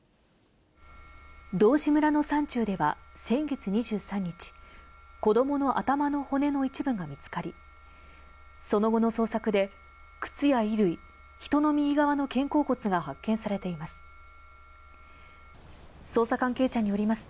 道志村の山中では、先月２３日、子どもの頭の骨の一部が見つかり、その後の捜索で、靴や衣類、人の右側の肩甲骨が発見されています。